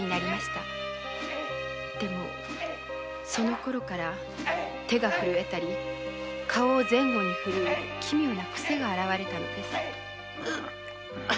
でもそのころから手が震えたり顔を前後に振る奇妙なクセが現れたのです。